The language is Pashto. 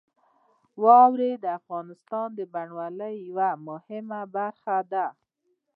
واوره د افغانستان د بڼوالۍ یوه مهمه برخه ده.